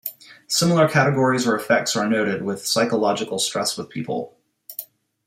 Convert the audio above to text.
Similar categories or effects are noted with psychological stress with people.